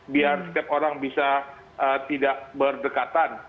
biar setiap orang bisa tidak berdekatan